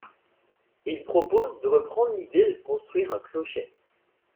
Il propose de reprendre l'idée de construire un clocher.